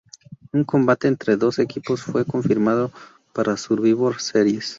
Un combate entre los dos equipos fue confirmado para Survivor Series.